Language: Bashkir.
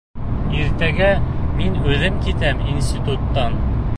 Иртәгә мин үҙем китәм институттан!